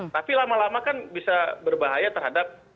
tapi lama lama kan bisa berbahaya terhadap